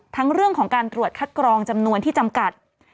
ทั้งเรื่องของการตรวจคัดกรองจำนวนที่จำกัด